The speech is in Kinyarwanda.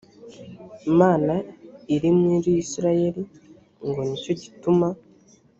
mana iri muri isirayeli ngo ni cyo gituma